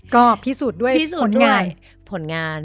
ก็พิสูจน์ด้วยผลงาน